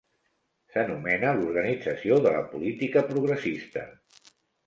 S'anomena l'organització de la política progressista.